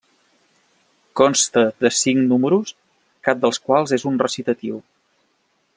Consta de cinc números, cap dels quals és un recitatiu.